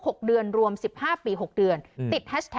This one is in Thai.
ปอล์กับโรเบิร์ตหน่อยไหมครับ